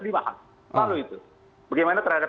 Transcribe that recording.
lalu itu bagaimana terhadap